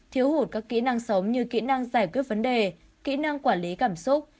đủ các kỹ năng sống như kỹ năng giải quyết vấn đề kỹ năng quản lý cảm xúc